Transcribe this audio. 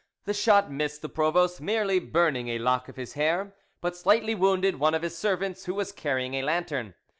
The shot missed the provost, merely burning a lock of his hair, but slightly wounded one of his servants, who was carrying a lantern.